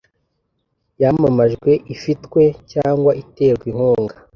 yamamajwe ifitwe cyangwa iterwa inkunga